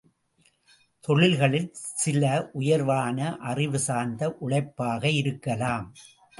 தொழில்கள் சில உயர்வான அறிவு சார்ந்த உழைப்பாக இருக்கலாம்.